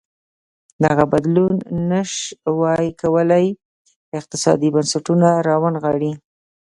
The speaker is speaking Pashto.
دغه بدلون نه ش وای کولی اقتصادي بنسټونه راونغاړي.